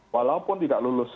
walaupun tidak lulus